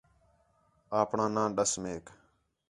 آپݨاں ناں ݙَس میک